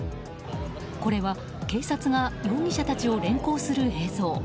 これは警察が容疑者たちを連行する映像。